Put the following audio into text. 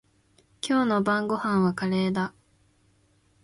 今日の晩ごはんはカレーだ。